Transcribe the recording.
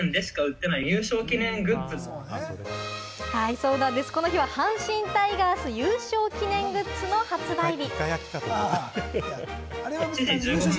そうなんです、この日は阪神タイガース優勝記念グッズの発売日。